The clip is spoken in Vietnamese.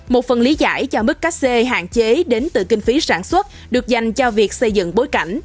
một phần lý giải cho mức các c hạn chế đến từ kinh phí sản xuất được dành cho việc xây dựng bối cảnh